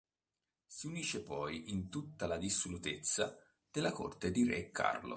Si unisce poi in tutta la dissolutezza della corte di re Carlo.